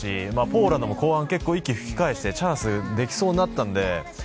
ポーランドも後半、結構息を吹き返してきてチャンスができそうだったので。